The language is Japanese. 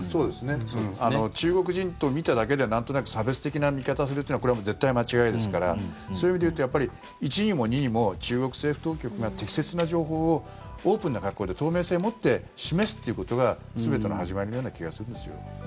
中国人と見ただけでなんとなく差別的な見方をするというのはこれはもう絶対間違いですからそういう意味で言うと一にも二にも中国政府当局が適切な情報をオープンな格好で透明性を持って示すということが全ての始まりのような気がするんですよ。